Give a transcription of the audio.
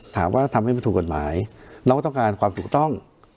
ถามว่าทำให้มันถูกกฎหมายเราก็ต้องการความถูกต้อง